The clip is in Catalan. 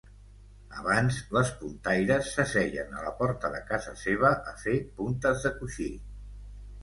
Abans les puntaires s'asseien a la porta de casa seva a fer puntes de coixí.